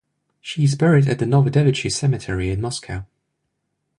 She is buried at the Novodevichy Cemetery in Moscow.